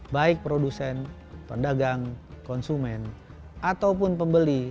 baik produsen pedagang konsumen ataupun pembeli